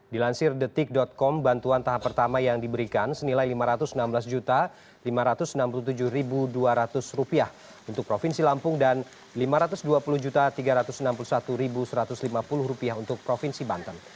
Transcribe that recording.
dilansir detik com bantuan tahap pertama yang diberikan senilai rp lima ratus enam belas lima ratus enam puluh tujuh dua ratus untuk provinsi lampung dan rp lima ratus dua puluh tiga ratus enam puluh satu satu ratus lima puluh untuk provinsi banten